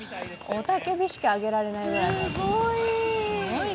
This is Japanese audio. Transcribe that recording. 雄たけびしかあげられないくらい。